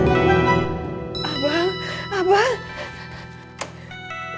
aku senang bunuh bapak